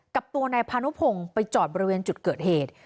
กับตัวนายพานุพงศ์ไปจอดบริเวณจุดเกิดเหตุ